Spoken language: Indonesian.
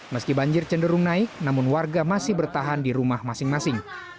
meski banjir cenderung naik namun warga masih bertahan di rumah masing masing